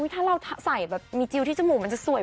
ถ้าเราใส่แบบมีจิลที่จมูกมันจะสวย